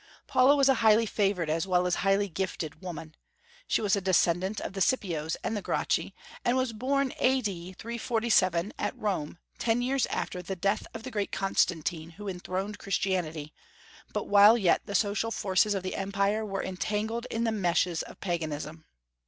Paula was a highly favored as well as a highly gifted woman. She was a descendant of the Scipios and the Gracchi, and was born A.D. 347, at Rome, ten years after the death of the Great Constantine who enthroned Christianity, but while yet the social forces of the empire were entangled in the meshes of Paganism.